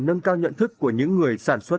nâng cao nhận thức của những người sản xuất